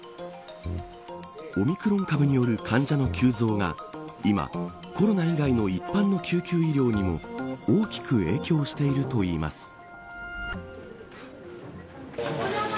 オミクロン株による患者の急増が今、コロナ以外の一般の救急医療にも大きく影響しているといいます。